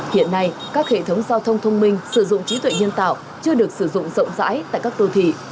hiện nay các hệ thống giao thông thông minh sử dụng trí tuệ nhân tạo chưa được sử dụng rộng rãi tại các đô thị